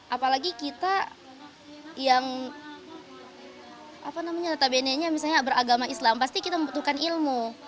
apalagi kita yang apa namanya leta benenya misalnya beragama islam pasti kita membutuhkan ilmu